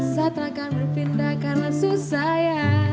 sa terakan berpindah karena susah ya